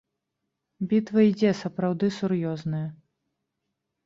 Бітва ідзе, сапраўды, сур'ёзная.